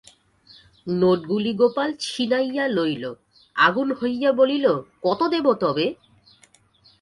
নোটগুলি গোপাল ছিনাইয়া লইল, আগুন হইয়া বলিল, কত দেব তবে?